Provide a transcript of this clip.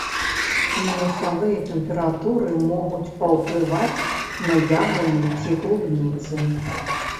Мінусавыя тэмпературы могуць паўплываць на яблыні ці клубніцы.